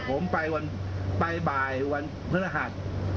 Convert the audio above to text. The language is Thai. ผมไปวันไกลไปบ่ายวันพฤศหรรภ์